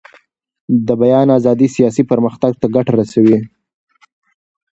د بیان ازادي سیاسي پرمختګ ته ګټه رسوي